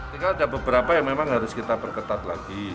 tinggal ada beberapa yang memang harus kita perketat lagi